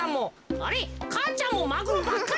あれっ母ちゃんもマグロばっかりじゃん。